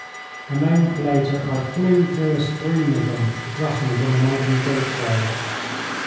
A moment later I flew through a stream of them rushing from an open gateway.